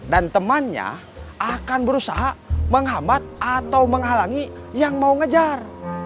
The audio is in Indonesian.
dan temannya akan berusaha menghambat atau menghalangi yang mau ngejar